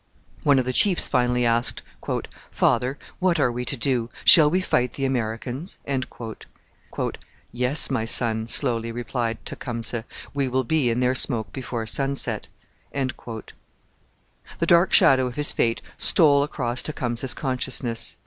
One of the chiefs finally asked, 'Father, what are we to do? shall we fight the Americans?' 'Yes, my son,' slowly replied Tecumseh. 'We will be in their smoke before sunset.' The dark shadow of his fate stole across Tecumseh's consciousness.